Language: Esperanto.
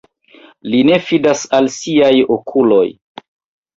Li ne fidis al siaj okuloj.